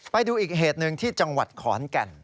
ไปดูอีกเหตุหนึ่งที่จังหวัดขอนแก่น